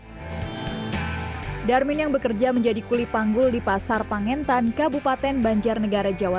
hai darmin yang bekerja menjadi kulipanggul di pasar pangentan kabupaten banjarnegara jawa